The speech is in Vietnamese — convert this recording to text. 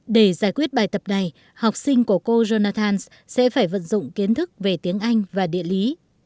để giải quyết bài tập này học sinh của cô jonathans sẽ phải vận dụng kiến thức về tiếng anh và địa lý